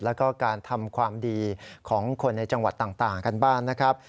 และการทำความดีของคนในจังหวัดต่างนะครับ